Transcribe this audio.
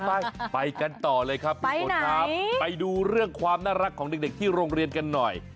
ไปไปกันต่อเลยครับพี่ฝนครับไปดูเรื่องความน่ารักของเด็กที่โรงเรียนกันหน่อย